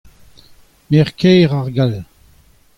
Merc'h-kaer ar Gall.